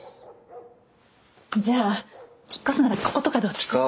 じゃあ引っ越すならこことかどうですか？